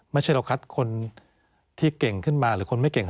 ไม่ใช่เราคัดคนที่เก่งขึ้นมาหรือคนไม่เก่ง